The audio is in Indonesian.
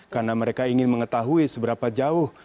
karena mereka ingin mengetahui seberapa jauh